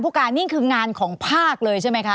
พวกการนี่คือยังผ้ากเลยใช่ไหมคะ